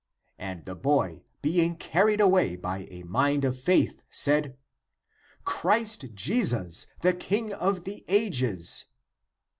" And the boy, being carried away by a mind of faith, said, " Christ Jesus, the King of the ages."